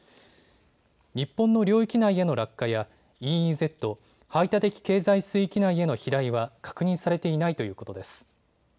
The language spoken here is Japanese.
日本の領域内への落下やＥＥＺ・排他的経済水域内への飛来は確認されていないということです。